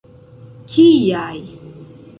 Kiaj?